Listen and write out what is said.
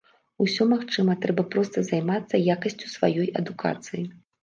Усё магчыма, трэба проста займацца якасцю сваёй адукацыі.